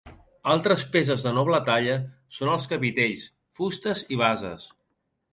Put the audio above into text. Altres peces de noble talla són els capitells, fustes i bases.